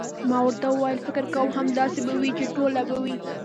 ما ورته وویل: فکر کوم، همداسې به وي، چې ټوله به وي.